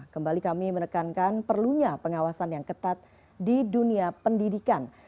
kembali kami menekankan perlunya pengawasan yang ketat di dunia pendidikan